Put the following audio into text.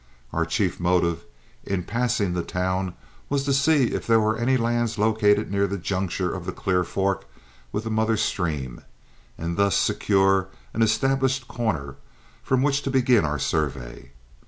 Our chief motive in passing the town was to see if there were any lands located near the juncture of the Clear Fork with the mother stream, and thus secure an established corner from which to begin our survey.